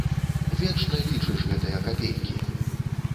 Вечна лічыш гэтыя капейкі!